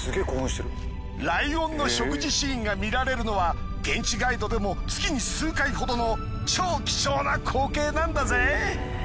ライオンの食事シーンが見られるのは現地ガイドでも月に数回ほどの超貴重な光景なんだぜ。